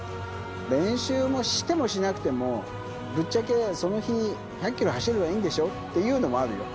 練習も、してもしなくても、ぶっちゃけ、その日１００キロ走ればいいんでしょ？っていうのもあるよ。